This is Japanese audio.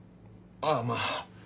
ああまあ。